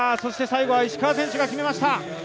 最後は石川選手が決めました。